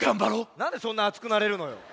なんでそんなあつくなれるのよ。